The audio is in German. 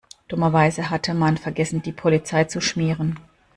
Dummerweise hatte man vergessen, die Polizei zu schmieren.